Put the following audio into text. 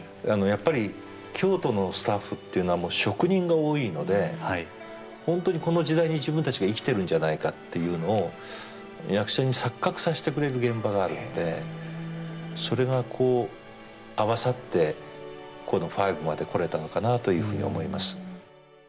やっぱり京都のスタッフっていうのは職人が多いので本当にこの時代に自分たちが生きてるんじゃないかっていうのを役者に錯覚させてくれる現場があるのでそれがこう合わさってこの「５」までこれたのかなというふうに思います。